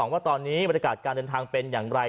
ว่าตอนนี้บรรยากาศการเดินทางเป็นอย่างไร